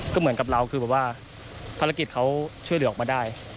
ก็เหมือนกับเราคือแบบว่าภารกิจเขาช่วยเหลือออกมาได้